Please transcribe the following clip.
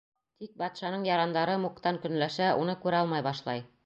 Тик батшаның ярандары Муктан көнләшә, уны күрә алмай башлай.